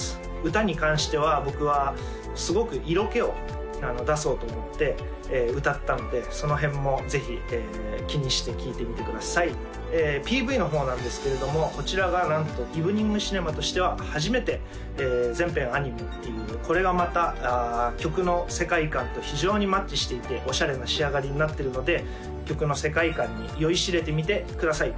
歌に関しては僕はすごく色気を出そうと思って歌ったのでその辺もぜひ気にして聴いてみてくださいＰＶの方なんですけれどもこちらがなんとｅｖｅｎｉｎｇｃｉｎｅｍａとしては初めて全編アニメっていうこれがまた曲の世界観と非常にマッチしていてオシャレな仕上がりになってるので曲の世界観に酔いしれてみてください